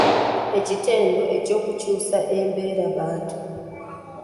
Ekitendo ky’okukyusa embeerabantu